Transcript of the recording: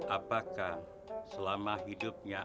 apakah selama hidupnya